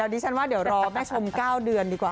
ดิฉันว่าเดี๋ยวรอแม่ชม๙เดือนดีกว่า